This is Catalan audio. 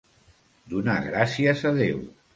Donar gràcies a Déu.